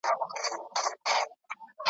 په لستوڼي کي خنجر د رقیب وینم `